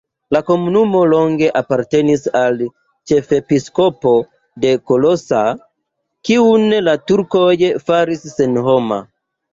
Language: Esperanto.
La komunumo longe apartenis al ĉefepiskopo de Kalocsa, kiun la turkoj faris senhoma.